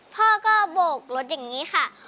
พ่อก็โบกรถอย่างนี้ค่ะ